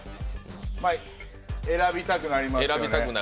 選びたくなりますよね。